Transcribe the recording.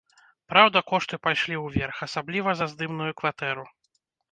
Праўда, кошты пайшлі ўверх, асабліва за здымную кватэру.